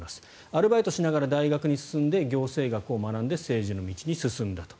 アルバイトしながら大学に進んで行政学を学んで政治の道に進んだと。